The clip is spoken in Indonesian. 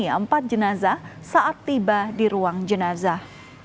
empat jenazah saat tiba di ruang jenazah